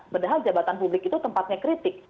padahal jabatan publik itu tempatnya kritik